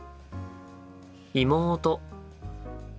妹。